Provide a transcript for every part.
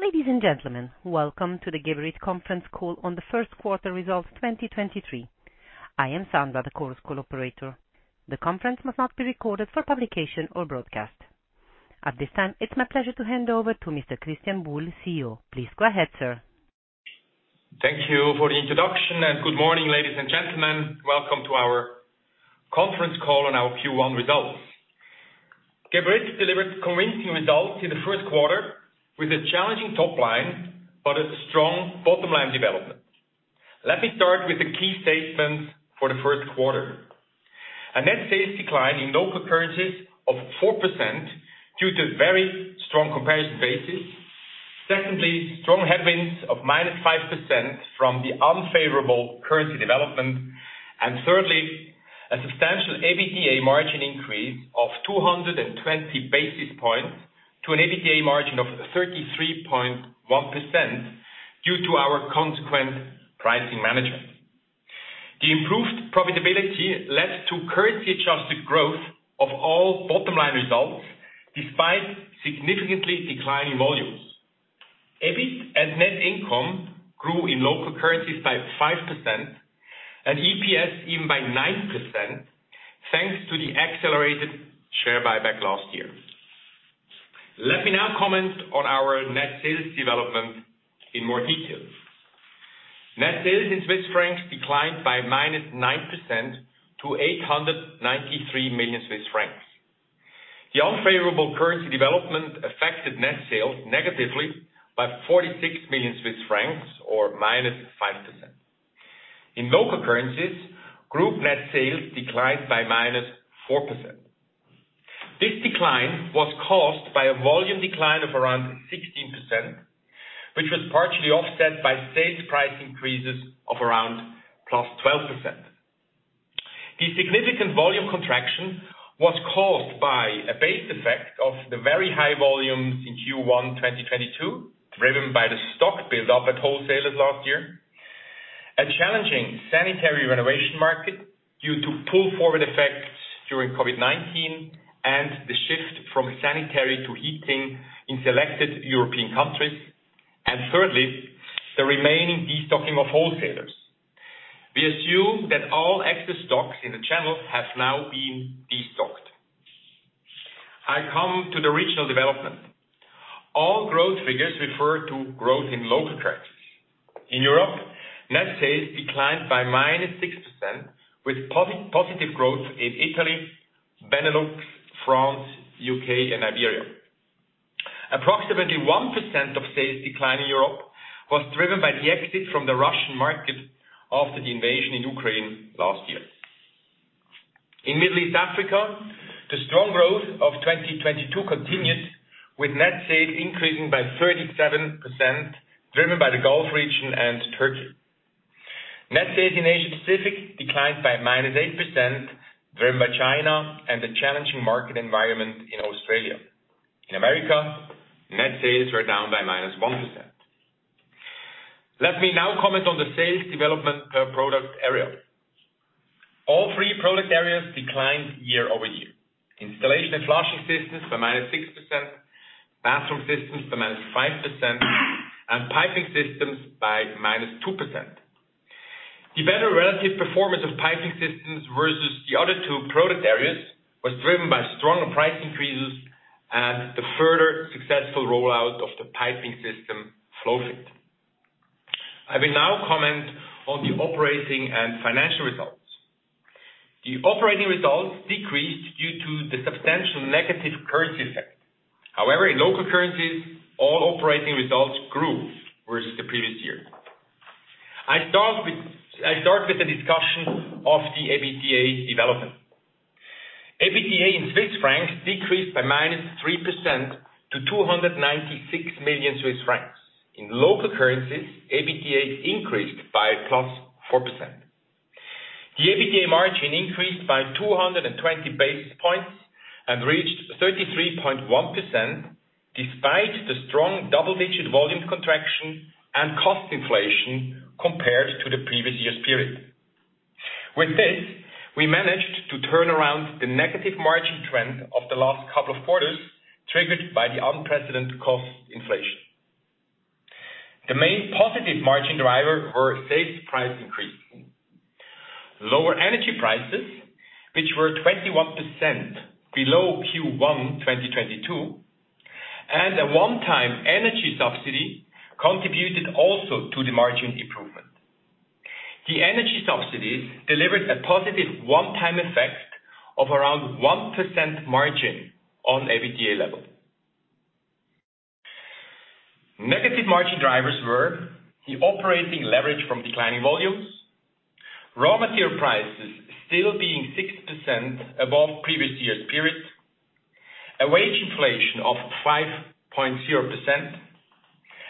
Ladies and gentlemen, welcome to the Geberit conference call on the first quarter results of 2023. I am Sandra, the Chorus Call operator. The conference must not be recorded for publication or broadcast. At this time, it's my pleasure to hand over to Mr. Christian Buhl, CEO. Please go ahead, sir. Thank you for the introduction, good morning, ladies and gentlemen. Welcome to our conference call on our Q1 results. Geberit delivered convincing results in the first quarter with a challenging top line but a strong bottom line development. Let me start with the key statements for the first quarter. A net sales decline in local currencies of 4% due to very strong comparison basis. Secondly, strong headwinds of -5% from the unfavorable currency development. Thirdly, a substantial EBITDA margin increase of 220 basis points to an EBITDA margin of 33.1% due to our consequent pricing management. The improved profitability led to currency adjusted growth of all bottom-line results despite significantly declining volumes. EBIT and net income grew in local currencies by 5% and EPS even by 9%, thanks to the accelerated share buyback last year. Let me now comment on our net sales development in more detail. Net sales in Swiss Francs declined by -9% to 893 million Swiss francs. The unfavorable currency development affected net sales negatively by 46 million Swiss francs or -5%. In local currencies, group net sales declined by -4%. This decline was caused by a volume decline of around 16%, which was partially offset by sales price increases of around +12%. The significant volume contraction was caused by a base effect of the very high volumes in Q1 2022, driven by the stock build up at wholesalers last year. A challenging sanitary renovation market due to pull forward effects during COVID-19 and the shift from sanitary to heating in selected European countries, and thirdly, the remaining destocking of wholesalers. We assume that all excess stocks in the channel have now been destocked. I come to the regional development. All growth figures refer to growth in local currencies. In Europe, net sales declined by -6%, with positive growth in Italy, Benelux, France, U.K. and Iberia. Approximately 1% of sales decline in Europe was driven by the exit from the Russian market after the invasion in Ukraine last year. In Middle East Africa, the strong growth of 2022 continued, with net sales increasing by 37% driven by the Gulf region and Turkey. Net sales in Asia-Pacific declined by -8%, driven by China and the challenging market environment in Australia. In America, net sales were down by -1%. Let me now comment on the sales development per product area. All three product areas declined year over year. Installation and flushing systems by -6%, bathroom systems by -5%, and piping systems by -2%. The better relative performance of piping systems versus the other two product areas was driven by stronger price increases and the further successful rollout of the piping system, FlowFit. I will now comment on the operating and financial results. The operating results decreased due to the substantial negative currency effect. However, in local currencies, all operating results grew versus the previous year. I start with the discussion of the EBITDA development. EBITDA in Swiss Francs decreased by -3% to 296 million Swiss francs. In local currencies, EBITDA increased by +4%. The EBITDA margin increased by 220 basis points and reached 33.1% despite the strong double-digit volume contraction and cost inflation compared to the previous year's period. With this, we managed to turn around the negative margin trend of the last couple of quarters, triggered by the unprecedented cost inflation. The main positive margin driver were sales price increase. Lower energy prices, which were 21% below Q1 2022, and a one-time energy subsidy contributed also to the margin improvement. The energy subsidies delivered a positive one-time effect of around 1% margin on EBITDA level. Negative margin drivers were the operating leverage from declining volumes, raw material prices still being 6% above previous year's period, a wage inflation of 5.0%,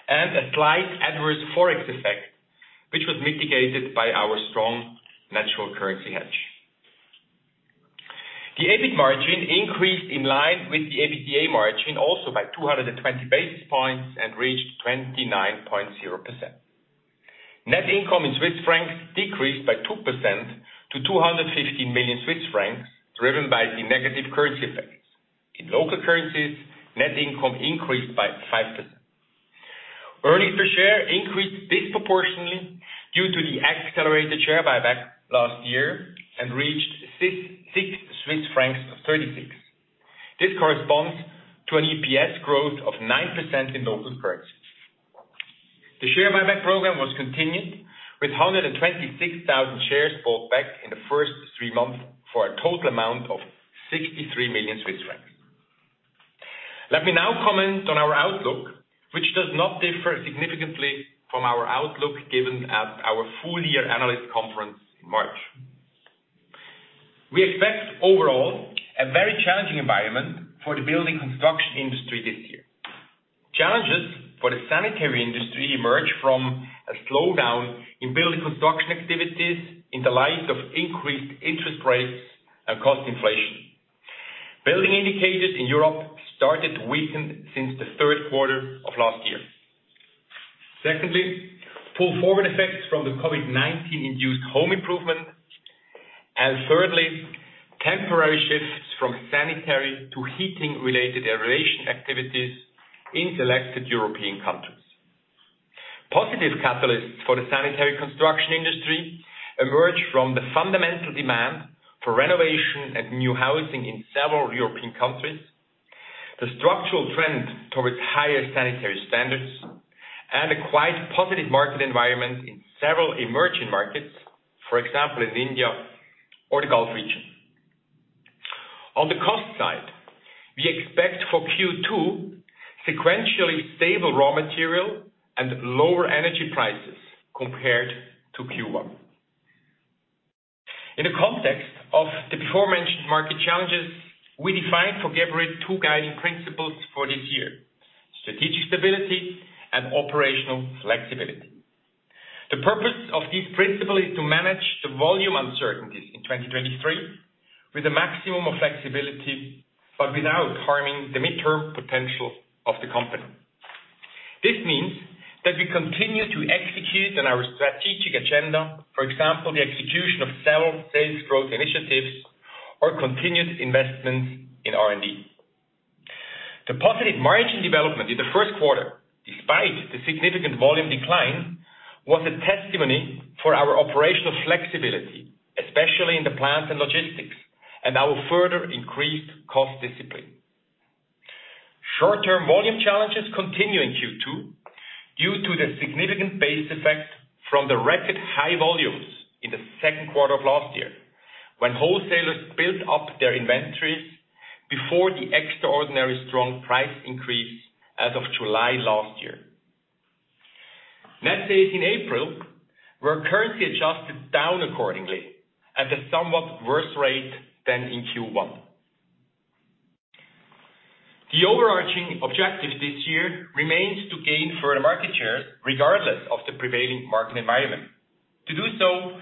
and a slight adverse Forex effect, which was mitigated by our strong natural currency hedge. The EBIT margin increased in line with the EBITDA margin also by 220 basis points and reached 29.0%.Net income in Swiss francs decreased by 2% to 215 million Swiss francs, driven by the negative currency effects. In local currencies, net income increased by 5%. Earnings per share increased disproportionately due to the accelerated share buyback last year and reached 6.36 Swiss francs. This corresponds to an EPS growth of 9% in local currency. The share buyback program was continued with 126,000 shares bought back in the first three months, for a total amount of 63 million Swiss francs. Let me now comment on our outlook, which does not differ significantly from our outlook given at our full year analyst conference in March. We expect overall a very challenging environment for the building construction industry this year. Challenges for the sanitary industry emerge from a slowdown in building construction activities in the light of increased interest rates and cost inflation. Building indicators in Europe started to weaken since the third quarter of last year. Secondly, pull forward effects from the COVID-19 induced home improvement. Thirdly, temporary shifts from sanitary to heating related aeration activities in selected European countries. Positive catalysts for the sanitary construction industry emerge from the fundamental demand for renovation and new housing in several European countries, the structural trend towards higher sanitary standards and a quite positive market environment in several emerging markets, for example, in India or the Gulf region. On the cost side, we expect for Q2 sequentially stable raw material and lower energy prices compared to Q1. In the context of the aforementioned market challenges, we defined for Geberit two guiding principles for this year: strategic stability and operational flexibility. The purpose of this principle is to manage the volume uncertainties in 2023 with a maximum of flexibility, but without harming the mid-term potential of the company. This means that we continue to execute on our strategic agenda, for example, the execution of several sales growth initiatives or continued investments in R&D. The positive margin development in the first quarter, despite the significant volume decline, was a testimony for our operational flexibility, especially in the plant and logistics, and our further increased cost discipline. Short-term volume challenges continue in Q2 due to the significant base effect from the record high volumes in the second quarter of last year, when wholesalers built up their inventories before the extraordinary strong price increase as of July last year. Net sales in April were currency adjusted down accordingly at a somewhat worse rate than in Q1. The overarching objective this year remains to gain further market shares regardless of the prevailing market environment. To do so,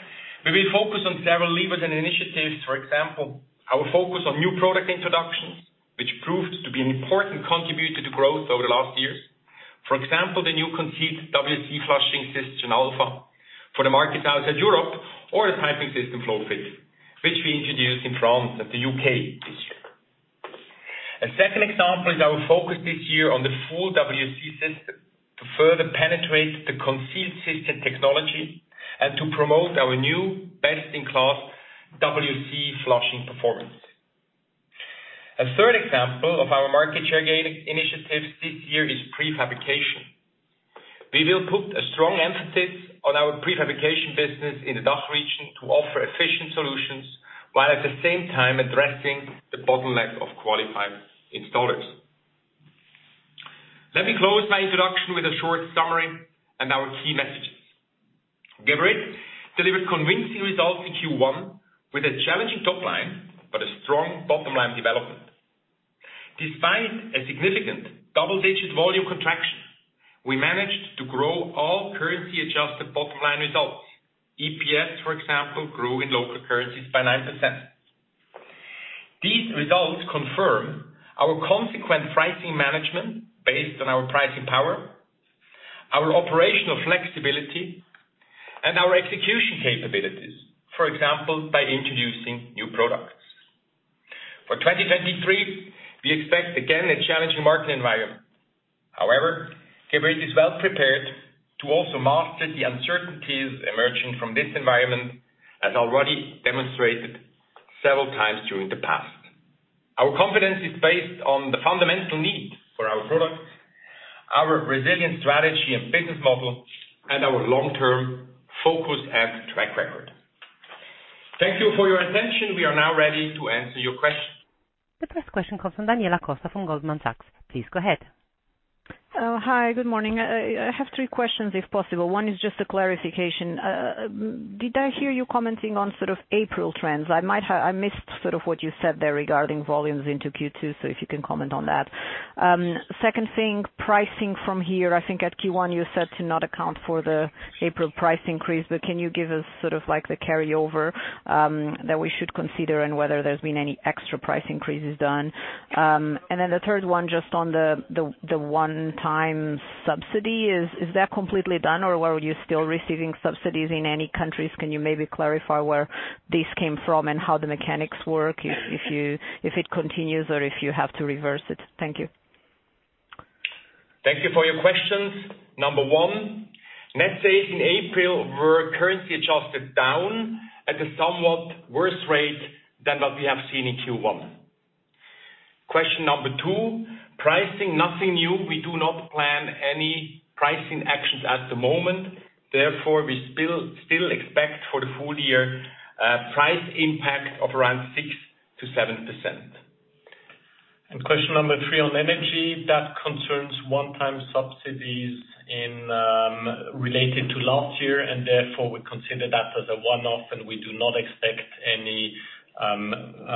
we will focus on several levers and initiatives. For example, our focus on new product introductions, which proved to be an important contributor to growth over the last years. For example, the new concealed WC flushing system Alpha for the markets outside Europe or the piping system FlowFit, which we introduced in France and the U.K. this year. A second example is our focus this year on the full WC system to further penetrate the concealed system technology and to promote our new best-in-class WC flushing performance. A third example of our market share gain initiatives this year is prefabrication. We will put a strong emphasis on our prefabrication business in the DACH region to offer efficient solutions, while at the same time addressing the bottleneck of qualified installers. Let me close my introduction with a short summary and our key messages. Geberit delivered convincing results in Q1 with a challenging top line but a strong bottom line development. Despite a significant double-digit volume contraction, we managed to grow all currency adjusted bottom line results. EPS, for example, grew in local currencies by 9%. These results confirm our consequent pricing management based on our pricing power, our operational flexibility and our execution capabilities, for example, by introducing new products. For 2023, we expect again a challenging market environment. However, Geberit is well prepared to also master the uncertainties emerging from this environment, as already demonstrated several times during the past. Our confidence is based on the fundamental need for our products, our resilient strategy and business model, and our long-term focus and track record. Thank you for your attention. We are now ready to answer your questions. The first question comes from Daniela Costa from Goldman Sachs. Please go ahead. Hi. Good morning. I have three questions, if possible. One is just a clarification. Did I hear you commenting on sort of April trends? I missed sort of what you said there regarding volumes into Q2. If you can comment on that. Second thing, pricing from here. I think at Q1 you said to not account for the April price increase, can you give us sort of like the carryover that we should consider and whether there's been any extra price increases done? The third one just on the one-time subsidy. Is that completely done or where you're still receiving subsidies in any countries? Can you maybe clarify where this came from and how the mechanics work if it continues or if you have to reverse it? Thank you. Thank you for your questions. Number one, net sales in April were currency adjusted down at a somewhat worse rate than what we have seen in Q1. Question number two, pricing. Nothing new. We do not plan any pricing actions at the moment. We still expect for the full year price impact of around 6%-7%. Question number three on energy. That concerns one-time subsidies in related to last year, we consider that as a one-off, we do not expect any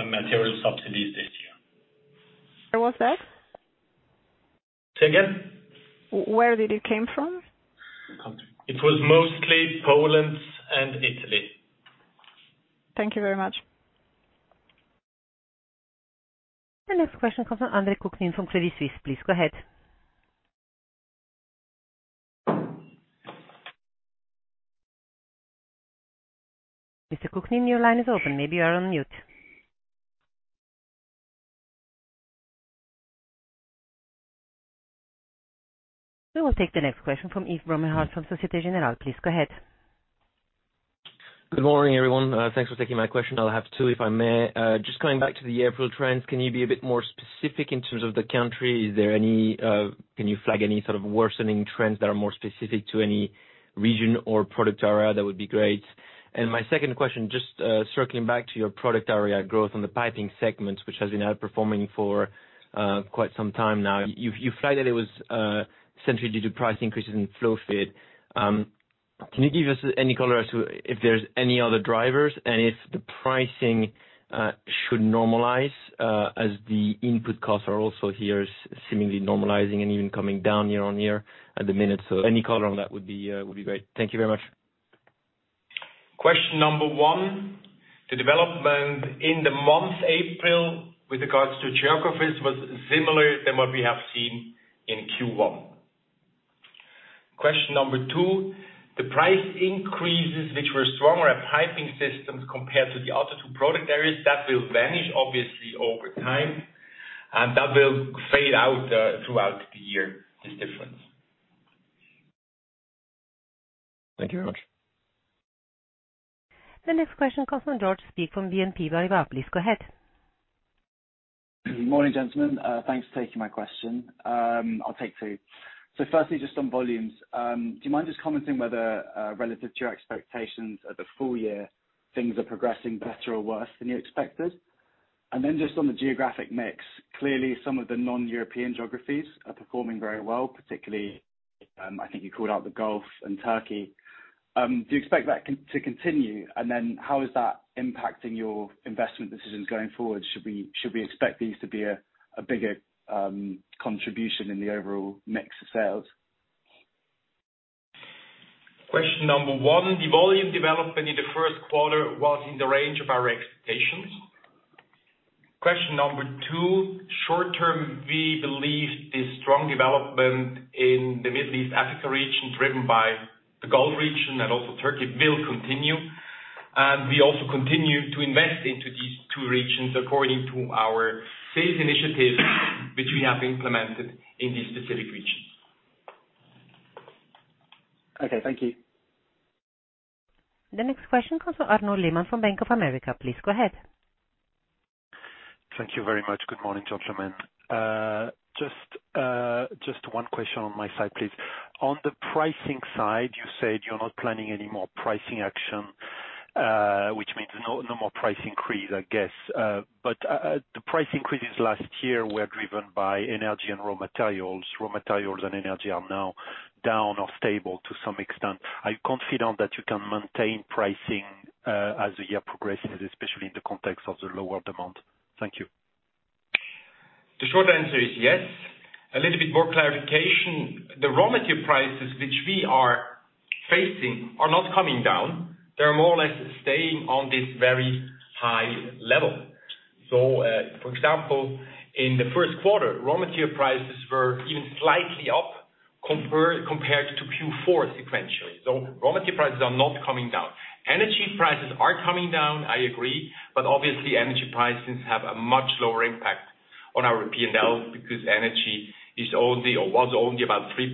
material subsidies this year. Where was that? Say again. Where did it came from? It was mostly Poland and Italy. Thank you very much. The next question comes from Andre Kukhnin from Credit Suisse. Please go ahead. Mr. Kukhnin, your line is open. Maybe you are on mute. We will take the next question from Yves Bromehead from Société Générale. Please go ahead. Good morning, everyone. Thanks for taking my question. I'll have two, if I may. Just going back to the April trends, can you be a bit more specific in terms of the country? Is there any, can you flag any sort of worsening trends that are more specific to any region or product area? That would be great. My second question, just circling back to your product area growth on the piping segment, which has been outperforming for quite some time now. You flagged that it was centered due to price increases in FlowFit. Can you give us any color as to if there's any other drivers and if the pricing should normalize as the input costs are also here seemingly normalizing and even coming down year-on-year at the minute. Any color on that would be great. Thank you very much. Question number one, the development in the month April with regards to geographies was similar than what we have seen in Q1. Question number two, the price increases which were stronger at piping systems compared to the other two product areas, that will vanish obviously over time, and that will fade out throughout the year, this difference. Thank you very much. The next question comes from George Speake from BNP Paribas. Please go ahead. Morning, gentlemen. Thanks for taking my question. I'll take two. Firstly, just on volumes, do you mind just commenting whether relative to your expectations at the full year, things are progressing better or worse than you expected? Just on the geographic mix, clearly some of the non-European geographies are performing very well, particularly, I think you called out the Gulf and Turkey. Do you expect that to continue? How is that impacting your investment decisions going forward? Should we expect these to be a bigger contribution in the overall mix of sales? Question number one, the volume development in the first quarter was in the range of our expectations. Question number two, short-term, we believe the strong development in the Middle East Africa region, driven by the Gulf region and also Turkey, will continue. We also continue to invest into these two regions according to our sales initiatives which we have implemented in these specific regions. Okay. Thank you. The next question comes from Arnaud Lehmann from Bank of America. Please go ahead. Thank you very much. Good morning, gentlemen. Just one question on my side, please. On the pricing side, you said you're not planning any more pricing action, which means no more price increase, I guess. The price increases last year were driven by energy and raw materials. Raw materials and energy are now down or stable to some extent. Are you confident that you can maintain pricing, as the year progresses, especially in the context of the lower demand? Thank you. The short answer is yes. A little bit more clarification. The raw material prices which we are facing are not coming down. They're more or less staying on this very high level. For example, in the first quarter, raw material prices were even slightly up compared to Q4 sequentially. Raw material prices are not coming down. Energy prices are coming down, I agree, obviously energy prices have a much lower impact on our P&L because energy is only or was only about 3%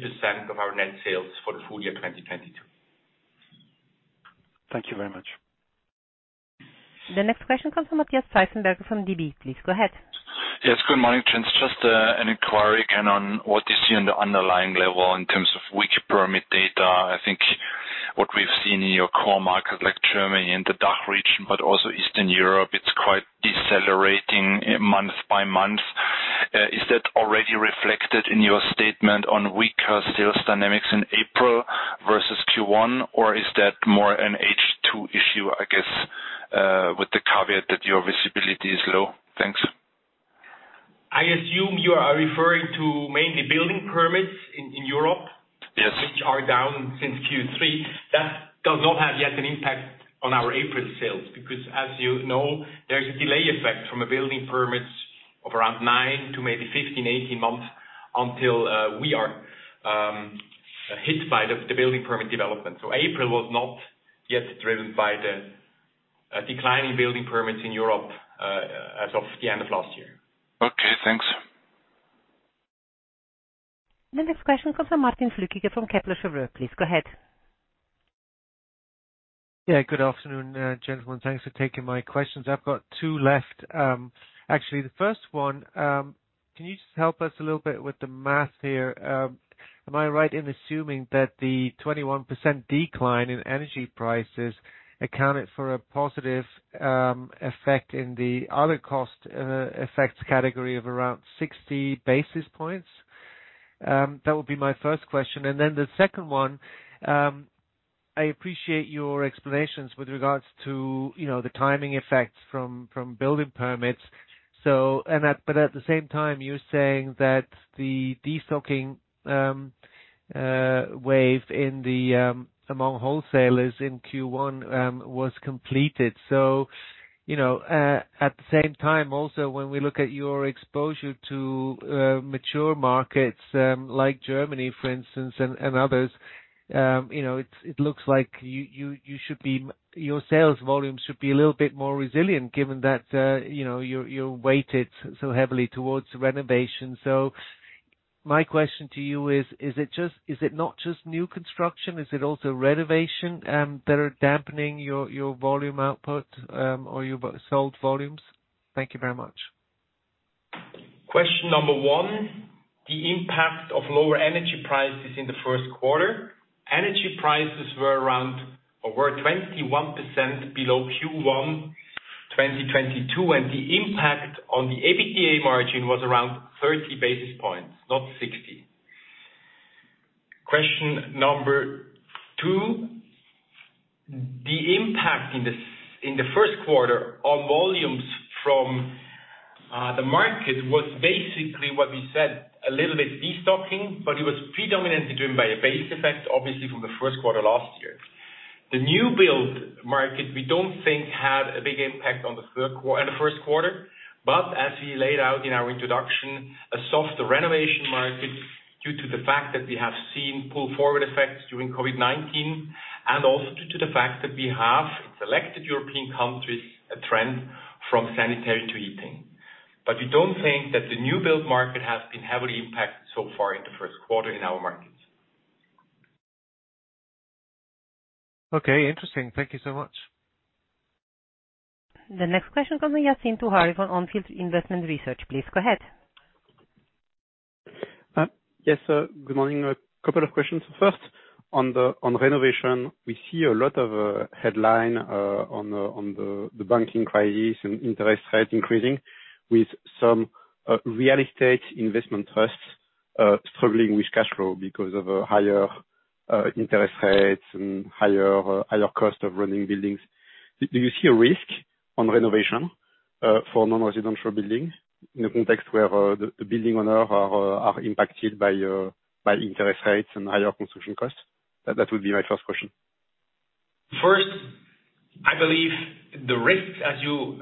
of our net sales for the full year 2022. Thank you very much. The next question comes from Matthias Pfeifenberger from DB. Please go ahead. Yes, good morning, Trans. Just an inquiry again on what you see on the underlying level in terms of weaker permit data. I think what we've seen in your core markets like Germany and the DACH region but also Eastern Europe, it's quite decelerating month by month. Is that already reflected in your statement on weaker sales dynamics in April versus Q1, or is that more an H2 issue, I guess? With the caveat that your visibility is low. Thanks. I assume you are referring to mainly building permits in Europe. Yes. -which are down since Q3. That does not have yet an impact on our April sales. As you know, there is a delay effect from a building permits of around nine to maybe 15, 18 months until we are hit by the building permit development. April was not yet driven by the decline in building permits in Europe as of the end of last year. Okay, thanks. The next question comes from Martin Flueckiger from Kepler Cheuvreux. Please go ahead. Yeah, good afternoon, gentlemen. Thanks for taking my questions. I've got two left. Actually the first one, can you just help us a little bit with the math here? Am I right in assuming that the 21% decline in energy prices accounted for a positive effect in the other cost effects category of around 60 basis points? That would be my first question. Then the second one, I appreciate your explanations with regards to, you know, the timing effects from building permits. At the same time, you're saying that the destocking wave in the among wholesalers in Q1 was completed. You know, at the same time also, when we look at your exposure to mature markets, like Germany, for instance, and others, you know, it looks like you, you should be. Your sales volume should be a little bit more resilient given that, you know, you're weighted so heavily towards renovation. My question to you is it not just new construction? Is it also renovation, that are dampening your volume output, or your sold volumes? Thank you very much. Question number one, the impact of lower energy prices in the first quarter. Energy prices were around 21% below Q1 2022, and the impact on the EBITDA margin was around 30 basis points, not 60 basis points. Question number two, the impact in the first quarter on volumes from the market was basically, what we said, a little bit destocking, but it was predominantly driven by a base effect, obviously from the first quarter last year. The new build market, we don't think had a big impact on the first quarter, but as we laid out in our introduction, a softer renovation market due to the fact that we have seen pull-forward effects during COVID-19. Also due to the fact that we have selected European countries a trend from sanitary to heating. We don't think that the new build market has been heavily impacted so far in the first quarter in our markets. Okay, interesting. Thank you so much. The next question comes from Yassine Touahri from On Field Investment Research. Please go ahead. Yes, good morning. A couple of questions. First, on renovation, we see a lot of headline on the banking crisis and interest rates increasing with some real estate investment trusts struggling with cash flow because of a higher interest rates and higher cost of running buildings. Do you see a risk on renovation for non-residential buildings in a context where the building owner are impacted by interest rates and higher construction costs? That would be my first question. First, I believe the risks, as you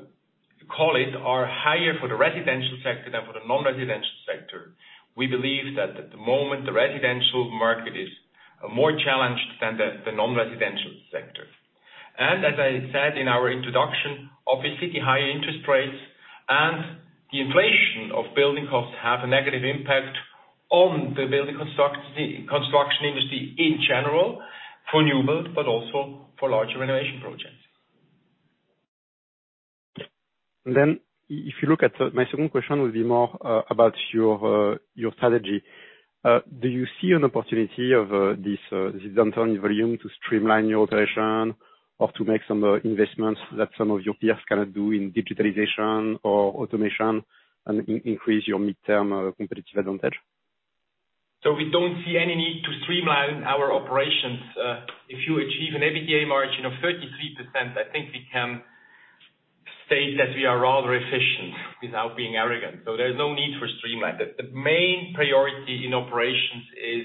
call it, are higher for the residential sector than for the non-residential sector. We believe that at the moment the residential market is more challenged than the non-residential sector. As I said in our introduction, obviously higher interest rates and the inflation of building construction industry in general for new build, but also for larger renovation projects. If you look at... My second question will be more about your strategy. Do you see an opportunity of this downturn in volume to streamline your operation or to make some investments that some of your peers cannot do in digitalization or automation and increase your midterm competitive advantage? We don't see any need to streamline our operations. If you achieve an EBITDA margin of 33%, I think we can state that we are rather efficient without being arrogant, so there's no need for streamline. The main priority in operations is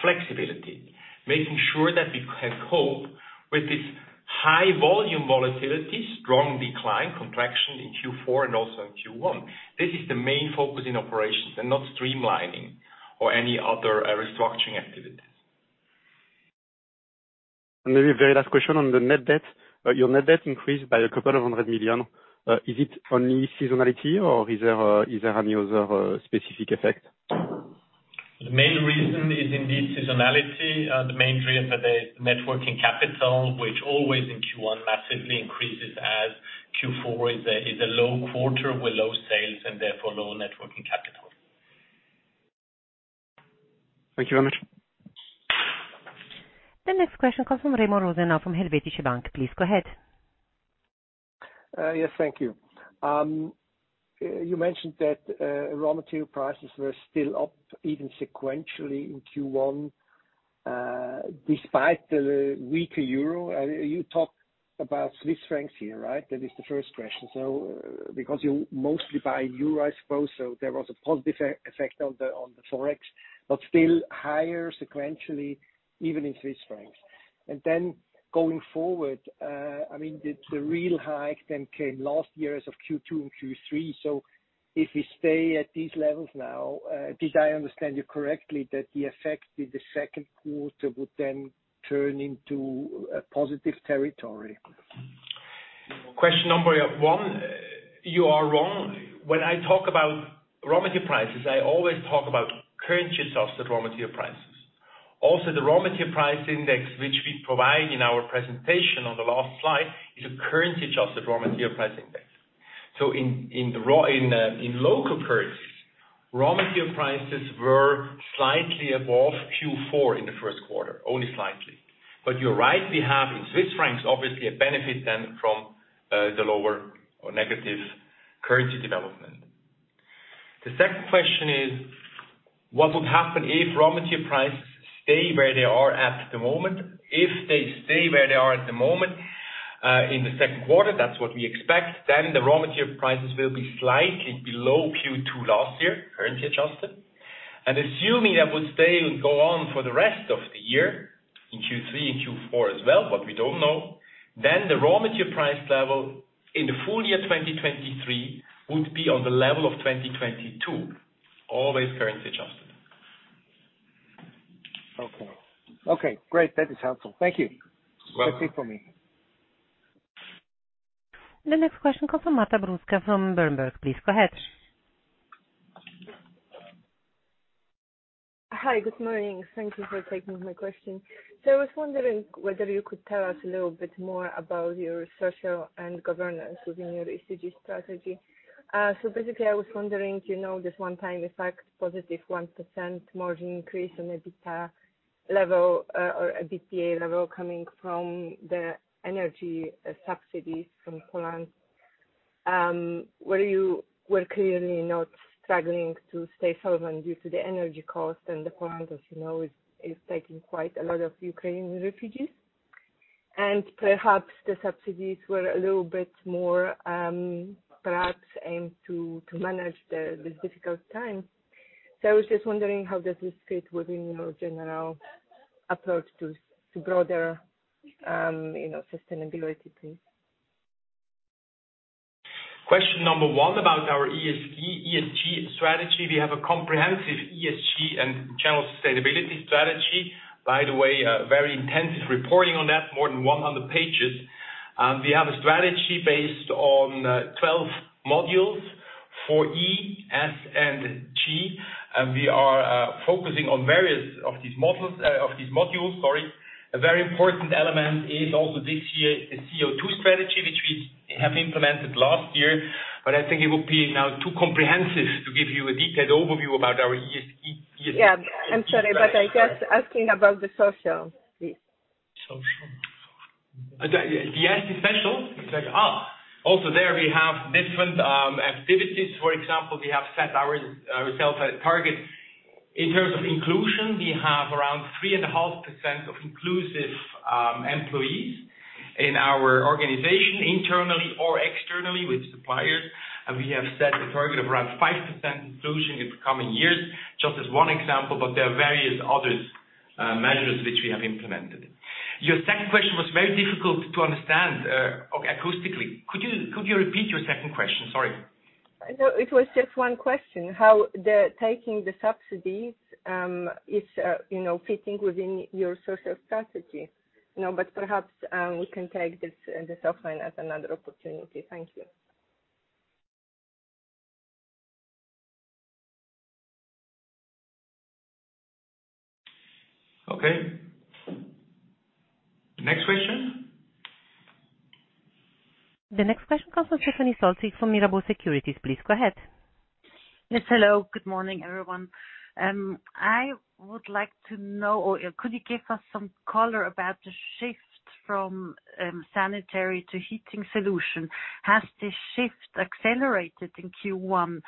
flexibility, making sure that we can cope with this high volume volatility, strong decline, contraction in Q4 and also in Q1. This is the main focus in operations and not streamlining or any other restructuring activities. A very last question on the net debt. Your net debt increased by a couple of hundred million. Is it only seasonality or is there any other specific effect? The main reason is indeed seasonality. The main reason for the networking capital, which always in Q1 massively increases as Q4 is a low quarter with low sales and therefore low networking capital. Thank you very much. The next question comes from Remo Rosenau from Helvetische Bank. Please go ahead. Yes, thank you. You mentioned that raw material prices were still up even sequentially in Q1. Despite the weaker euro, you talked about Swiss francs here, right? That is the first question. Because you mostly buy euro, I suppose, there was a positive effect on the Forex, but still higher sequentially, even in Swiss francs. Going forward, the real hike then came last year as of Q2 and Q3. If you stay at these levels now, did I understand you correctly that the effect in the second quarter would then turn into a positive territory? Question number one, you are wrong. When I talk about raw material prices, I always talk about currency-adjusted raw material prices. The raw material price index, which we provide in our presentation on the last slide, is a currency-adjusted raw material price index. In local currencies, raw material prices were slightly above Q4 in the first quarter, only slightly. You're right, we have in Swiss francs, obviously a benefit then from the lower or negative currency development. The second question is, what would happen if raw material prices stay where they are at the moment? If they stay where they are at the moment, in the second quarter, that's what we expect, then the raw material prices will be slightly below Q2 last year, currency adjusted. Assuming that would stay and go on for the rest of the year in Q3 and Q4 as well, but we don't know, then the raw material price level in the full year 2023 would be on the level of 2022, always currency adjusted. Okay. Okay, great. That is helpful. Thank you. You're welcome. That's it for me. The next question comes from Marta Bruska from Berenberg. Please, go ahead. Hi, good morning. Thank you for taking my question. I was wondering whether you could tell us a little bit more about your social and governance within your ESG strategy. Basically, I was wondering, do you know this one-time effect, +1% margin increase on EBITDA level, or a BPA level coming from the energy subsidies from Poland, where you were clearly not struggling to stay solvent due to the energy cost. Poland, as you know, is taking quite a lot of Ukrainian refugees. Perhaps the subsidies were a little bit more, perhaps aimed to manage this difficult time. I was just wondering how does this fit within your general approach to broader, you know, sustainability, please? Question number one about our ESG strategy. We have a comprehensive ESG and general sustainability strategy. By the way, a very intensive reporting on that, more than 100 pages. We have a strategy based on 12 modules for E, S, and G. We are focusing on various of these modules, sorry. A very important element is also this year, the CO2 strategy, which we have implemented last year, but I think it would be now too comprehensive to give you a detailed overview about our ESG- Yeah, I'm sorry, but I'm just asking about the social, please. Social. The S is social. It's like, there we have different activities. For example, we have set ourselves a target. In terms of inclusion, we have around 3.5% of inclusive employees in our organization, internally or externally with suppliers. We have set a target of around 5% inclusion in the coming years, just as 1 example, but there are various other measures which we have implemented. Your second question was very difficult to understand acoustically. Could you repeat your second question? Sorry. It was just one question. How the taking the subsidies, is, you know, fitting within your social strategy. Perhaps, we can take this offline at another opportunity. Thank you. Okay. Next question. The next question comes from Stephanie Salzig from Mirabaud Securities. Please go ahead. Yes. Hello. Good morning, everyone. I would like to know, or could you give us some color about the shift from sanitary to heating solution? Has this shift accelerated in Q1?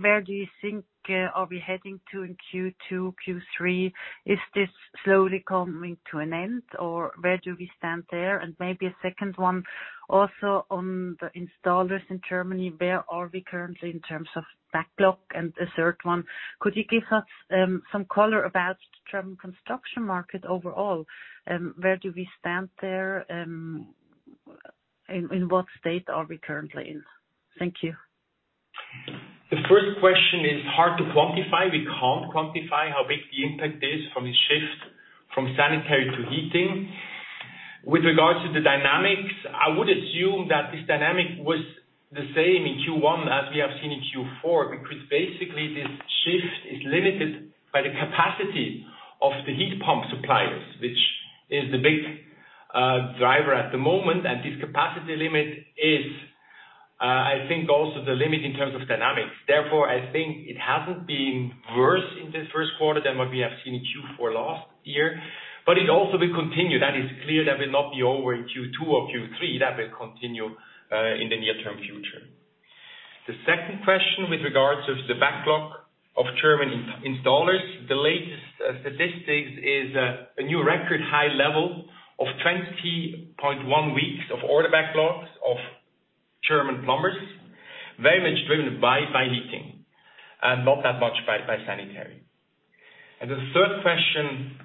Where do you think are we heading to in Q2, Q3? Is this slowly coming to an end, or where do we stand there? Maybe a second one, also on the installers in Germany, where are we currently in terms of backlog? A third one, could you give us some color about the German construction market overall? Where do we stand there? In what state are we currently in? Thank you. The first question is hard to quantify. We can't quantify how big the impact is from the shift from sanitary to heating. With regards to the dynamics, I would assume that this dynamic was the same in Q1 as we have seen in Q4, basically this shift is limited by the capacity of the heat pump suppliers, which is the big driver at the moment. This capacity limit is, I think also the limit in terms of dynamics. I think it hasn't been worse in the first quarter than what we have seen in Q4 last year. It also will continue. That is clear. That will not be over in Q2 or Q3. That will continue in the near-term future. The second question with regards of the backlog of German installers. The latest statistics is a new record high level of 20.1 weeks of order backlogs of German plumbers, very much driven by heating and not that much by sanitary. The third question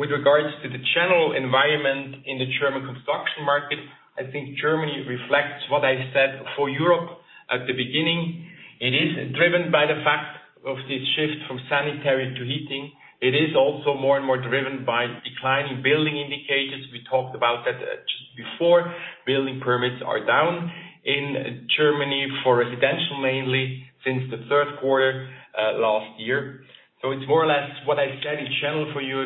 with regards to the general environment in the German construction market, I think Germany reflects what I said for Europe at the beginning. It is driven by the fact of this shift from sanitary to heating. It is also more and more driven by declining building indicators. We talked about that just before. Building permits are down in Germany for residential, mainly since the third quarter last year. It's more or less what I said in general for you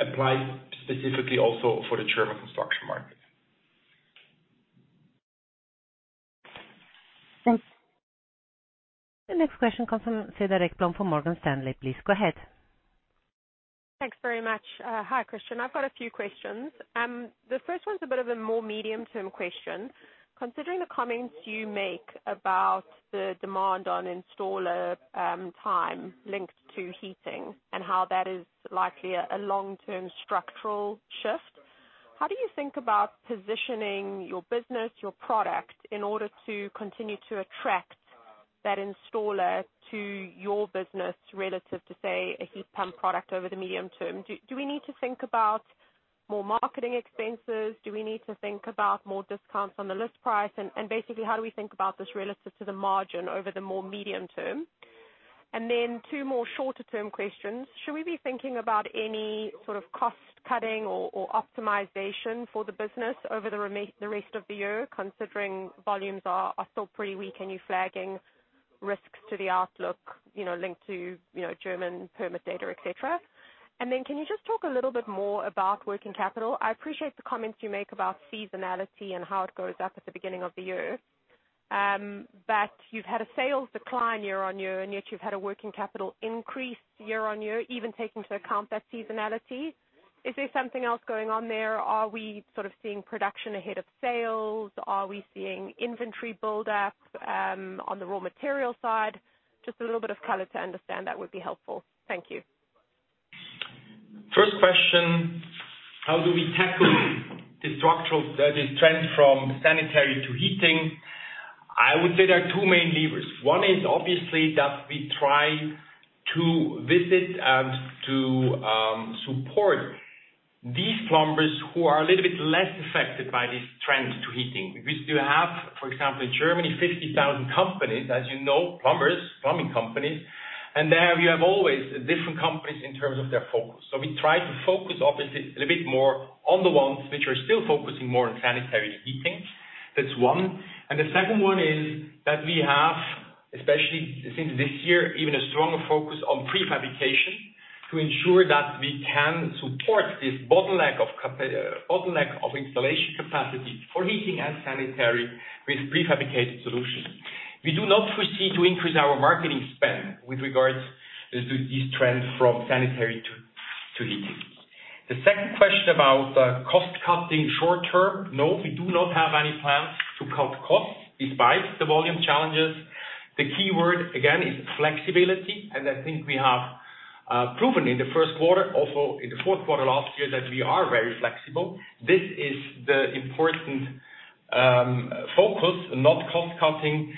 applies specifically also for the German construction market. Thanks. The next question comes from Cedar Ekblom from Morgan Stanley. Please go ahead. Thanks very much. Hi, Christian. I've got a few questions. The first one's a bit of a more medium-term question. Considering the comments you make about the demand on installer, time linked to heating and how that is likely a long-term structural shift, how do you think about positioning your business, your product, in order to continue to attract that installer to your business relative to, say, a heat pump product over the medium term? Do we need to think about more marketing expenses? Do we need to think about more discounts on the list price? Basically how do we think about this relative to the margin over the more medium term? Then two more shorter-term questions. Should we be thinking about any sort of cost cutting or optimization for the business over the rest of the year, considering volumes are still pretty weak and you're flagging risks to the outlook, you know, linked to, you know, German permit data, et cetera? Can you just talk a little bit more about working capital? I appreciate the comments you make about seasonality and how it goes up at the beginning of the year. You've had a sales decline year-on-year, and yet you've had a working capital increase year-on-year, even taking into account that seasonality. Is there something else going on there? Are we sort of seeing production ahead of sales? Are we seeing inventory build up on the raw material side? Just a little bit of color to understand that would be helpful. Thank you. First question, how do we tackle the structural trend from sanitary to heating? I would say there are two main levers. One is obviously that we try to visit and to support these plumbers who are a little bit less affected by this trend to heating. We still have, for example, in Germany, 50,000 companies, as you know, plumbers, plumbing companies. There we have always different companies in terms of their focus. We try to focus obviously a little bit more on the ones which are still focusing more on sanitary than heating. That's one. The second one is that we have, especially since this year, even a stronger focus on prefabrication to ensure that we can support this bottleneck of installation capacity for heating and sanitary with prefabricated solutions. We do not foresee to increase our marketing spend with regards to these trends from sanitary to heating. The second question about cost cutting short-term. No, we do not have any plans to cut costs despite the volume challenges. The key word again is flexibility, and I think we have proven in the first quarter, also in the fourth quarter last year, that we are very flexible. This is the important focus, not cost cutting.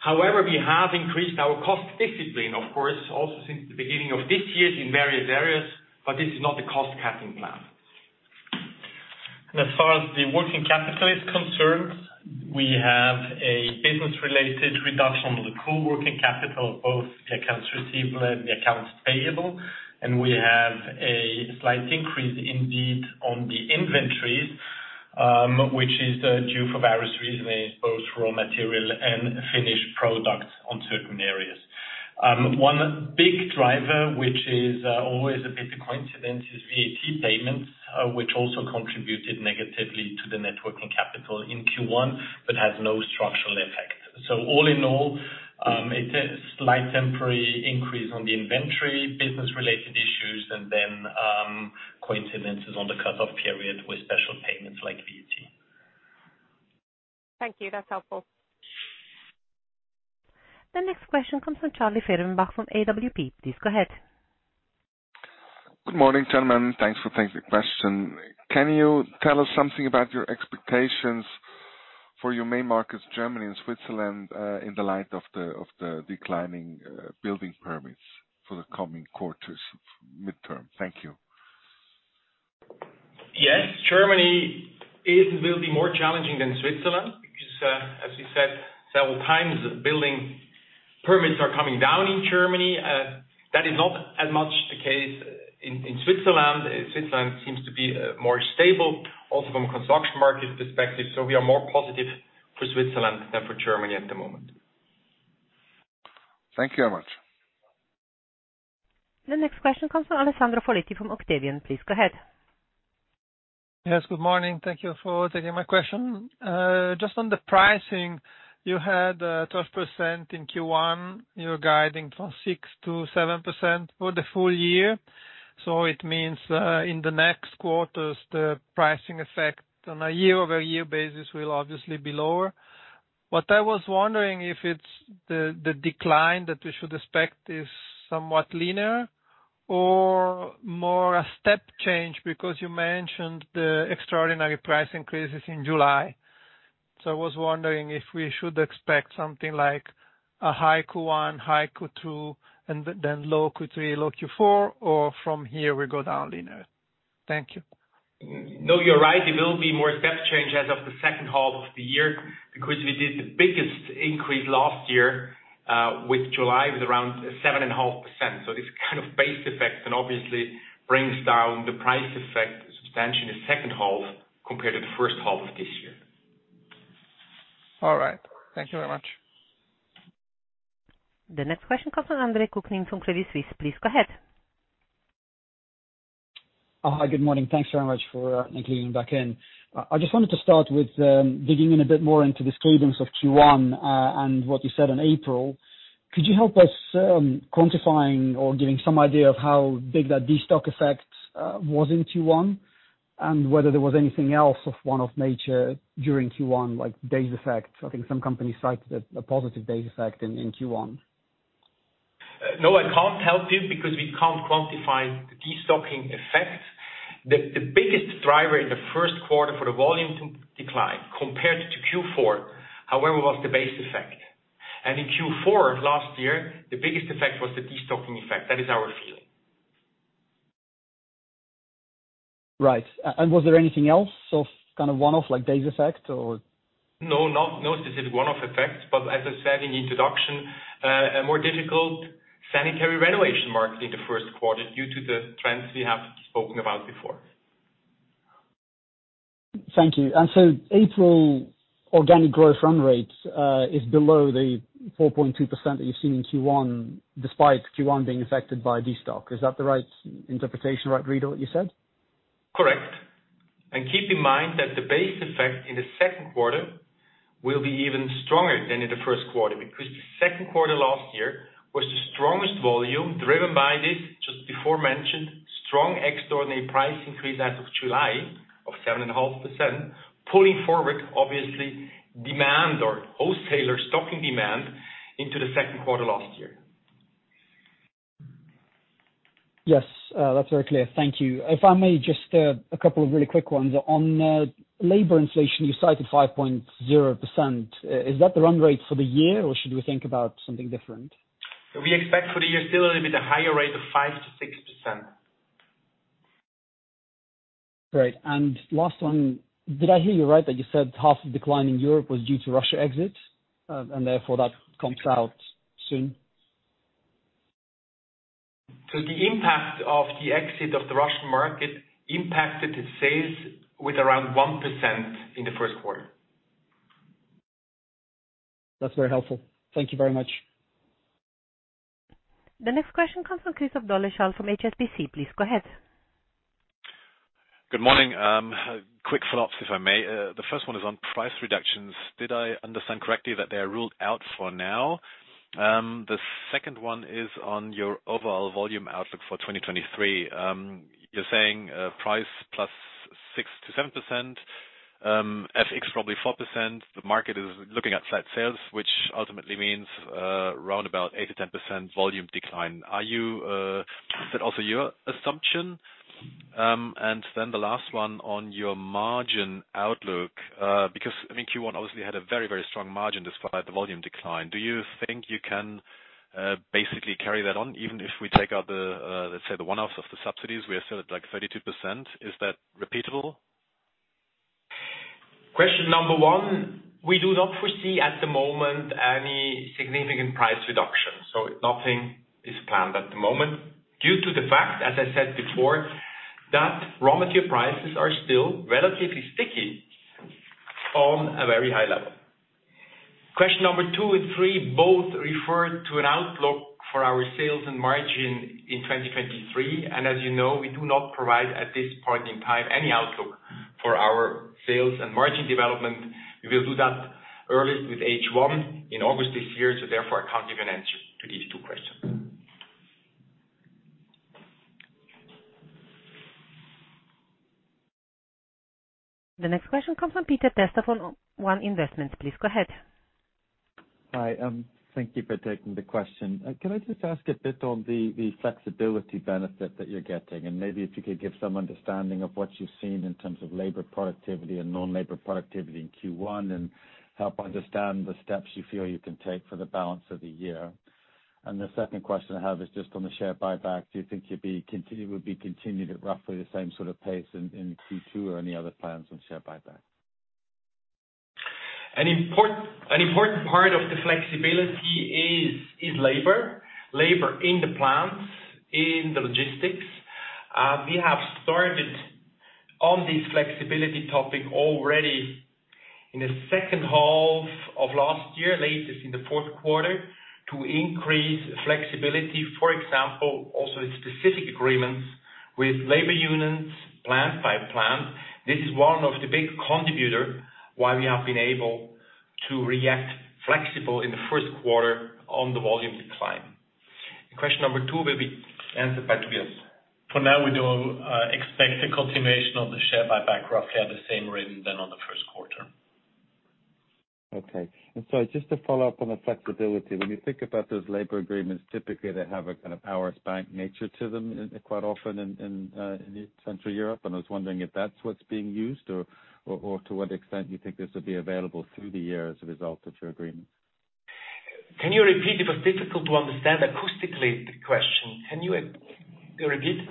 However, we have increased our cost discipline, of course, also since the beginning of this year in various areas, but this is not a cost cutting plan. As far as the working capital is concerned, we have a business-related reduction of the core working capital, both accounts receivable and the accounts payable. We have a slight increase indeed on the inventories, which is due for various reasons, both raw material and finished products on certain areas. One big driver, which is always a bit a coincidence, is VAT payments, which also contributed negatively to the net working capital in Q1, but has no structural effect. All in all, it's a slight temporary increase on the inventory, business related issues and then coincidences on the cut-off period with special payments like VAT. Thank you. That's helpful. The next question comes from Charlie Fehrenbach from AWP. Please go ahead. Good morning, gentlemen. Thanks for taking the question. Can you tell us something about your expectations for your main markets, Germany and Switzerland, in the light of the declining building permits for the coming quarters midterm? Thank you. Yes. Germany is and will be more challenging than Switzerland because, as we said several times, building permits are coming down in Germany. That is not as much the case in Switzerland. Switzerland seems to be more stable also from a construction market perspective. We are more positive for Switzerland than for Germany at the moment. Thank you very much. The next question comes from Alessandro Foletti from Octavian. Please go ahead. Yes, good morning. Thank you for taking my question. Just on the pricing, you had 12% in Q1. You're guiding from 6%-7% for the full year. It means, in the next quarters, the pricing effect on a year-over-year basis will obviously be lower. What I was wondering, if it's the decline that we should expect is somewhat linear or more a step change, because you mentioned the extraordinary price increases in July. I was wondering if we should expect something like a high Q1, high Q2, and then low Q3, low Q4, or from here we go down linear. Thank you. No, you're right. It will be more step change as of the second half of the year because we did the biggest increase last year, with July, with around 7.5%. This kind of base effect then obviously brings down the price effect substantially in the second half compared to the first half of this year. All right. Thank you very much. The next question comes from Andre Kukhnin from Credit Suisse. Please go ahead. Hi. Good morning. Thanks very much for including me back in. I just wanted to start with digging in a bit more into this cadence of Q1, what you said on April. Could you help us quantifying or giving some idea of how big that destock effect was in Q1, whether there was anything else of one-off nature during Q1, like base effects? I think some companies cite a positive base effect in Q1. No, I can't help you because we can't quantify the destocking effect. The biggest driver in the first quarter for the volume decline compared to Q4, however, was the base effect. In Q4 last year, the biggest effect was the destocking effect. That is our feeling. Right. Was there anything else of kind of one-off, like base effect or? No, no specific one-off effects, but as I said in introduction, a more difficult sanitary renovation market in the first quarter due to the trends we have spoken about before. Thank you. April organic growth run rate is below the 4.2% that you've seen in Q1, despite Q1 being affected by destock. Is that the right interpretation or right read of what you said? Correct. Keep in mind that the base effect in the second quarter will be even stronger than in the first quarter, because the second quarter last year was the strongest volume, driven by this, just before mentioned, strong extraordinary price increase as of July of 7.5%, pulling forward, obviously, demand or wholesaler stocking demand into the second quarter last year. Yes. That's very clear. Thank you. If I may, just a couple of really quick ones. On labor inflation, you cited 5.0%. Is that the run rate for the year or should we think about something different? We expect for the year still a little bit higher rate of 5%-6%. Great. Last one. Did I hear you right that you said half the decline in Europe was due to Russia exit, and therefore that comes out soon? The impact of the exit of the Russian market impacted the sales with around 1% in the first quarter. That's very helpful. Thank you very much. The next question comes from Christoph Dolleschal from HSBC. Please go ahead. Good morning. Quick follow-ups, if I may. The first one is on price reductions. Did I understand correctly that they are ruled out for now? The second one is on your overall volume outlook for 2023. You're saying, price plus 6%-7%, FX probably 4%. The market is looking at flat sales, which ultimately means, round about 8%-10% volume decline. Are you, is that also your assumption? The last one on your margin outlook, because I think Q1 obviously had a very, very strong margin despite the volume decline. Do you think you can basically carry that on, even if we take out the, let's say the one-offs of the subsidies, we are still at, like, 32%. Is that repeatable? Question number one, we do not foresee at the moment any significant price reduction. Nothing is planned at the moment due to the fact, as I said before, that raw material prices are still relatively sticky on a very high level. Question number two and three both refer to an outlook for our sales and margin in 2023. As you know, we do not provide, at this point in time, any outlook for our sales and margin development. We will do that early with H1 in August this year. Therefore I can't give an answer to these two questions. The next question comes from Peter Testa from O-One Investments. Please go ahead. Hi. Thank you for taking the question. Can I just ask a bit on the flexibility benefit that you're getting? Maybe if you could give some understanding of what you've seen in terms of labor productivity and non-labor productivity in Q1 and help understand the steps you feel you can take for the balance of the year. The second question I have is just on the share buyback. Do you think you'd be will be continued at roughly the same sort of pace in Q2 or any other plans on share buyback? An important part of the flexibility is labor. Labor in the plants, in the logistics. We have started on this flexibility topic already in the second half of last year, latest in the fourth quarter, to increase flexibility, for example, also in specific agreements with labor unions, plant by plant. This is one of the big contributor why we have been able to react flexible in the first quarter on the volume decline. Question number two will be answered by Tobias. For now, we don't expect a continuation of the share buyback roughly at the same rhythm than on the first quarter. Okay. Just to follow up on the flexibility, when you think about those labor agreements, typically, they have a kind of hours bank nature to them quite often in Central Europe, and I was wondering if that's what's being used or, or to what extent you think this will be available through the year as a result of your agreement? Can you repeat? It was difficult to understand acoustically the question. Can you re-repeat?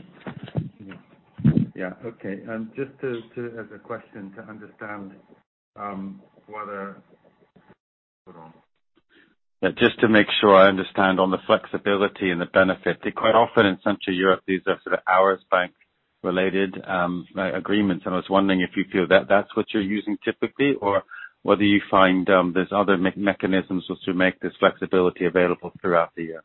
Okay. Just to make sure I understand on the flexibility and the benefit. Quite often in Central Europe, these are sort of hours bank related, agreements. I was wondering if you feel that that's what you're using typically, or whether you find there's other mechanisms as to make this flexibility available throughout the year.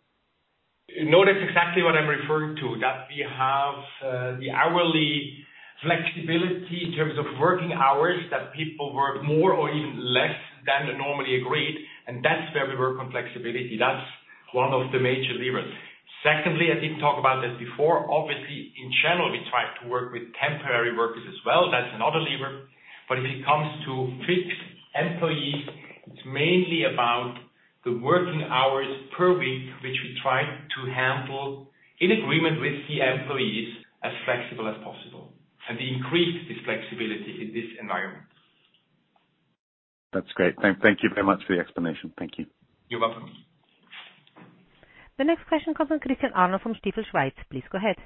That's exactly what I'm referring to, that we have the hourly flexibility in terms of working hours, that people work more or even less than normally agreed, and that's where we work on flexibility. That's one of the major levers. Secondly, I didn't talk about this before. Obviously, in general, we try to work with temporary workers as well. That's another lever. If it comes to fixed employees, it's mainly about the working hours per week, which we try to handle in agreement with the employees as flexible as possible, and we increase this flexibility in this environment. That's great. Thank you very much for the explanation. Thank you. You're welcome. The next question comes from Christian Arnold from Stifel Schweiz. Please go ahead.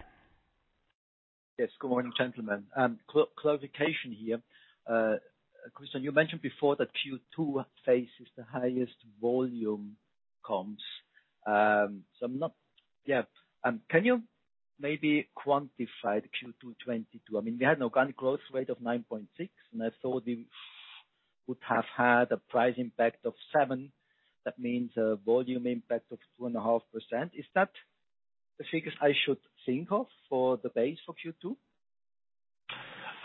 Yes. Good morning, gentlemen. Clarification here. Christian, you mentioned before that Q2 faces the highest volume comps. I'm not... Yeah. Can you maybe quantify the Q2 2022? I mean, we had an organic growth rate of 9.6%, and I thought you would have had a price impact of 7%. That means a volume impact of 2.5%. Is that the figures I should think of for the base of Q2?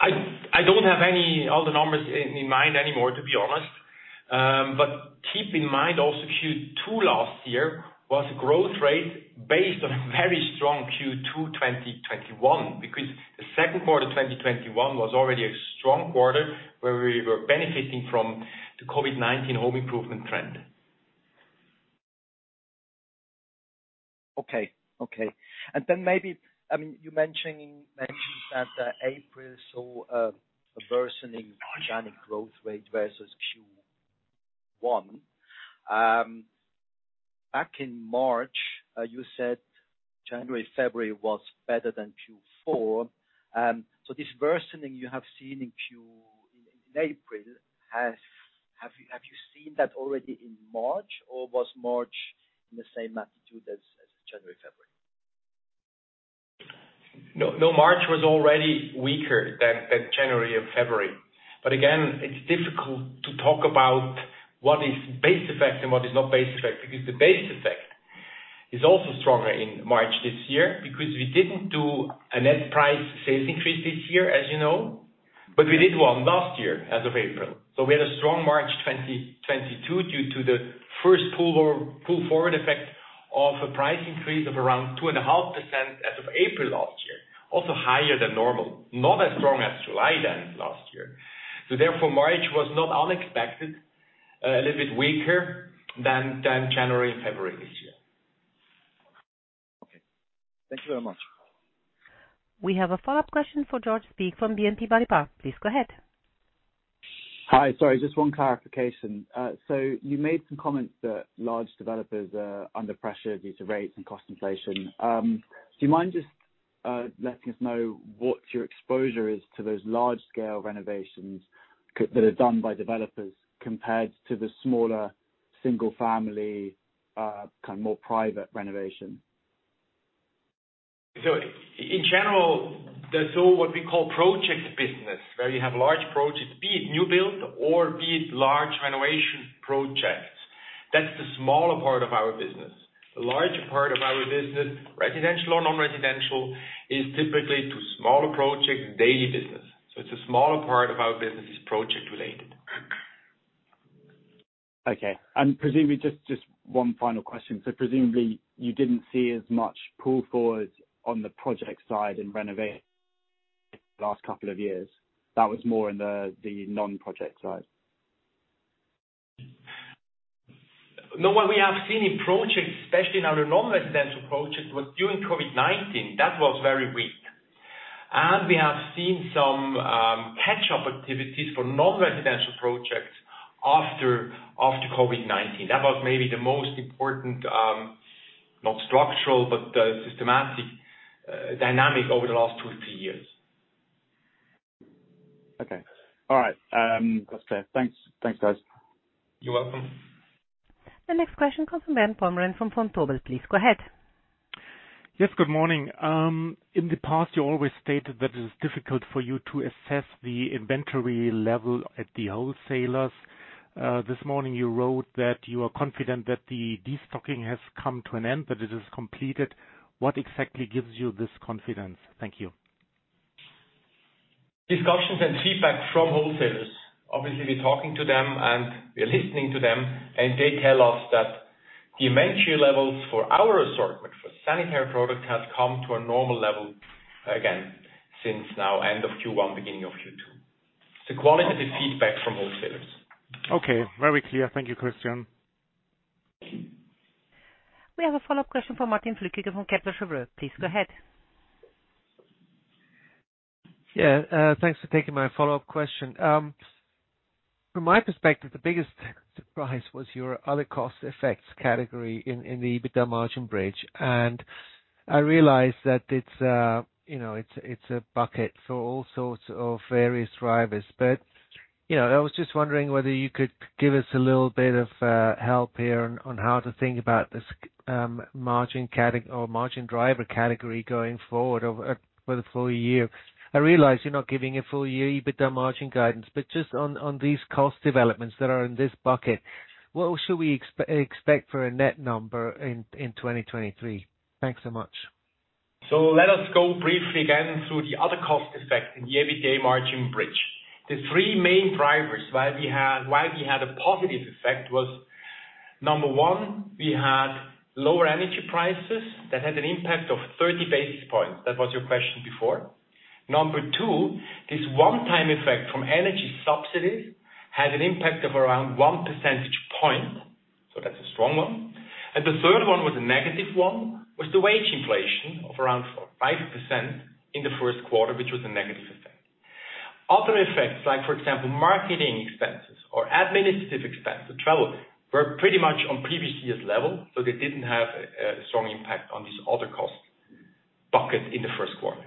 I don't have all the numbers in mind anymore, to be honest. Keep in mind also, Q2 last year was a growth rate based on a very strong Q2 2021, because the second quarter 2021 was already a strong quarter where we were benefiting from the COVID-19 home improvement trend. Okay. Okay. Maybe, I mean, you're mentioning, mentioned that April saw a worsening organic growth rate versus Q1. Back in March, you said January, February was better than Q4. This worsening you have seen in April, have you seen that already in March, or was March in the same magnitude as January, February? No, March was already weaker than January or February. Again, it's difficult to talk about what is base effect and what is not base effect, because the base effect is also stronger in March this year because we didn't do a net price sales increase this year, as you know, but we did one last year as of April. We had a strong March 2022 due to the first pull or pull forward effect of a price increase of around 2.5% as of April last year. Higher than normal, not as strong as July then last year. Therefore, March was not unexpected, a little bit weaker than January and February this year. Okay. Thank you very much. We have a follow-up question for George Speake from BNP Paribas. Please go ahead. Hi. Sorry, just one clarification. You made some comments that large developers are under pressure due to rates and cost inflation. Do you mind just letting us know what your exposure is to those large-scale renovations that are done by developers compared to the smaller single-family kind of more private renovation? In general, the so what we call project business, where you have large projects, be it new build or be it large renovation projects, that's the smaller part of our business. The larger part of our business, residential or non-residential, is typically to smaller projects, daily business. It's a smaller part of our business is project related. Okay. Presumably, just one final question. Presumably, you didn't see as much pull forwards on the project side in renovation the last couple of years. That was more in the non-project side. No. What we have seen in projects, especially in our non-residential projects, was during COVID-19, that was very weak. We have seen some catch-up activities for non-residential projects after COVID-19. That was maybe the most important, not structural, but systematic, dynamic over the last two, three years. Okay. All right. That's clear. Thanks. Thanks, guys. You're welcome. The next question comes from Bernd Pomrehn from Vontobel. Please go ahead. Yes, good morning. In the past, you always stated that it is difficult for you to assess the inventory level at the wholesalers. This morning you wrote that you are confident that the destocking has come to an end, that it is completed. What exactly gives you this confidence? Thank you. Discussions and feedback from wholesalers. Obviously, we're talking to them and we are listening to them, and they tell us that the inventory levels for our assortment for sanitary products has come to a normal level again since now end of Q1, beginning of Q2. It's a qualitative feedback from wholesalers. Okay. Very clear. Thank you, Christian. We have a follow-up question from Martin Flueckiger from Kepler Cheuvreux. Please go ahead. Yeah, thanks for taking my follow-up question. From my perspective, the biggest surprise was your other cost effects category in the EBITDA margin bridge. I realize that it's, you know, it's a bucket for all sorts of various drivers. You know, I was just wondering whether you could give us a little bit of help here on how to think about this margin driver category going forward over for the full year. I realize you're not giving a full year EBITDA margin guidance, but just on these cost developments that are in this bucket, what should we expect for a net number in 2023? Thanks so much. Let us go briefly again through the other cost effect in the EBITDA margin bridge. The three main drivers why we had a positive effect was, number one, we had lower energy prices that had an impact of 30 basis points. That was your question before. Number two, this one-time effect from energy subsidies had an impact of around 1 percentage point, so that's a strong one. The third one was a negative one, was the wage inflation of around 5% in the first quarter, which was a negative effect. Other effects, like for example, marketing expenses or administrative expenses, travel, were pretty much on previous years' level, so they didn't have a strong impact on this other cost bucket in the first quarter.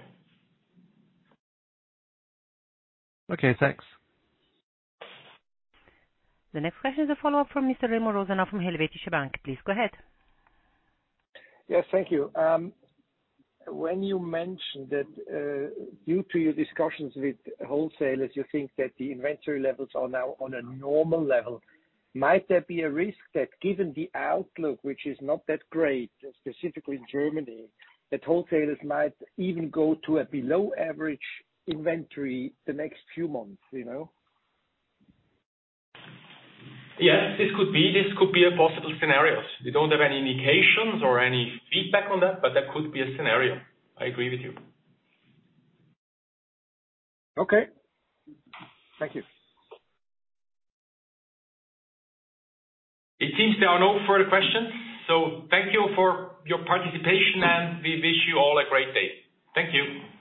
Okay, thanks. The next question is a follow-up from Mr. Remo Rosenau from Helvetische Bank. Please go ahead. Yes, thank you. When you mentioned that, due to your discussions with wholesalers, you think that the inventory levels are now on a normal level, might there be a risk that given the outlook, which is not that great, specifically in Germany, that wholesalers might even go to a below average inventory the next few months, you know? This could be a possible scenario. We don't have any indications or any feedback on that, but that could be a scenario. I agree with you. Okay. Thank you. It seems there are no further questions, so thank you for your participation, and we wish you all a great day. Thank you.